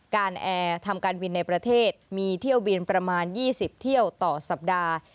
แอร์ทำการบินในประเทศมีเที่ยวบินประมาณ๒๐เที่ยวต่อสัปดาห์